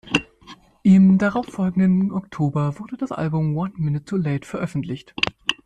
Im darauf folgenden Oktober wurde das Album "One Minute Too Late" veröffentlicht.